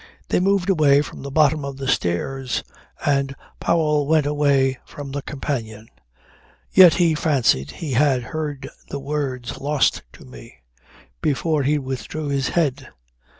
They moved away from the bottom of the stairs and Powell went away from the companion. Yet he fancied he had heard the words "Lost to me" before he withdrew his head.